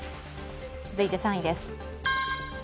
続いて３位です。